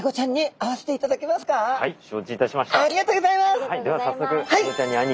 ありがとうございます！